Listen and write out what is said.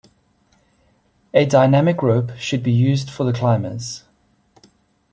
A dynamic rope should be used for the climbers.